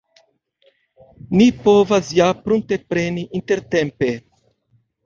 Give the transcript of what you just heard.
Ni povas ja pruntepreni intertempe.